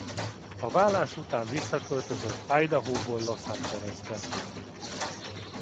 A válás után visszaköltözött Idahóból Los Angelesbe.